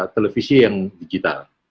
televisi yang digital